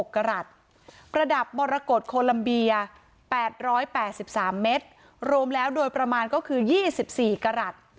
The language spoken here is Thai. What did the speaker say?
กรัฐประดับมรกฏโคลัมเบีย๘๘๓เมตรรวมแล้วโดยประมาณก็คือ๒๔กรัฐ